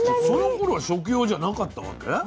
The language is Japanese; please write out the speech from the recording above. そのころは食用じゃなかったわけ？